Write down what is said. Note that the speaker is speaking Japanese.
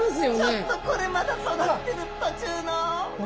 ちょっとこれまだ育ってる途中の！